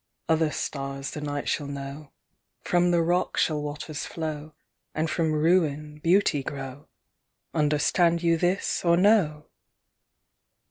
Other stars the night sliall kuo\v, From the rock shall waters flow, And from ruin beauty grow. Understand you this, or no?